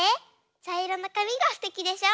ちゃいろのかみがすてきでしょ？